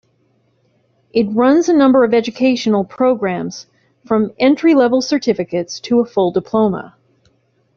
It runs a number of educational programmes, from entry-level certificates to a full diploma.